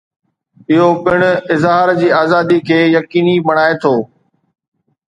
اهو پڻ اظهار جي آزادي کي يقيني بڻائي ٿو.